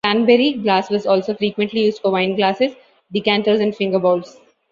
Cranberry glass was also frequently used for wine glasses, decanters, and finger bowls.